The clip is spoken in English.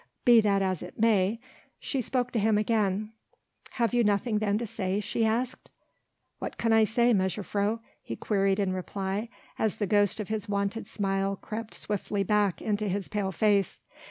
Be that as it may, she spoke to him again: "Have you nothing then to say?" she asked. "What can I say, mejuffrouw?" he queried in reply, as the ghost of his wonted smile crept swiftly back into his pale face.